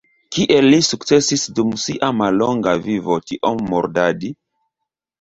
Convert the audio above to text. Kiel li sukcesis dum sia mallonga vivo tiom murdadi?